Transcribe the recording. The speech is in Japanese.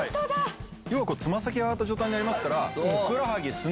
要はつま先が上がった状態になりますから。